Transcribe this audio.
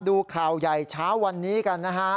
ดูข่าวใหญ่เช้าวันนี้กันนะฮะ